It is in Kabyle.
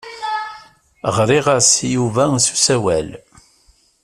Ɣriɣ-as i Yuba s usawal.